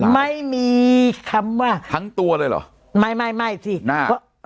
ไม่มีคำว่าทั้งตัวเลยเหรอไม่ไม่ไม่สิหน้า